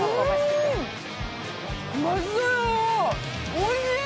おいしい！